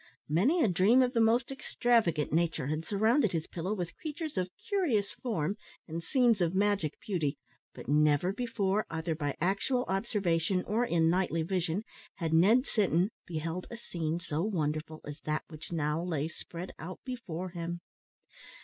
Many a dream of the most extravagant nature had surrounded his pillow with creatures of curious form and scenes of magic beauty, but never before, either by actual observation or in nightly vision, had Ned Sinton beheld a scene so wonderful as that which now lay spread out before him.